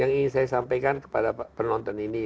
yang ingin saya sampaikan kepada penonton ini